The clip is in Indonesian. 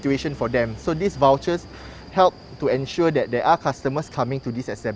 warga singapura dapat menggunakan srv hingga tiga puluh satu maret dua ribu dua puluh dua